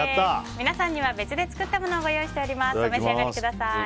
皆さんには別で作ったものをご用意しております。